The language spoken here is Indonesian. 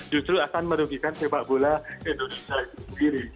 justru akan merugikan sepak bola indonesia itu sendiri